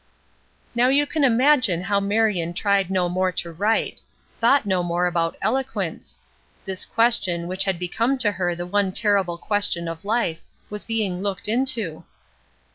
Now you can imagine how Marion tried no more to write; thought no more about eloquence; this question, which had become to her the one terrible question of life, was being looked into.